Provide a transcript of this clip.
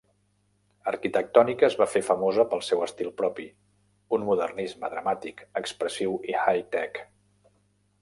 Arquitectonica es va fer famosa pel seu estil propi: un modernisme dramàtic, expressiu i "high-tech".